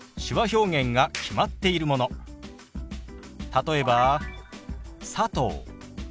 例えば「佐藤」。